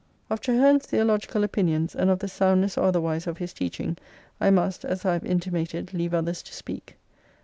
Of Traheme's theological opinions, and of the sound ness or otherwise of his teaching, I must, as 1 have intimated, leave others to speak.